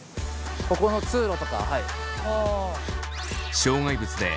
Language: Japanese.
ここの通路とか。